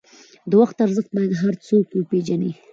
د وخت ارزښت باید هر څوک وپېژني.